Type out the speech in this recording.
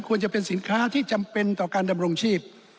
จะเป็นสินค้าที่จำเป็นต่อการดำรงชีพ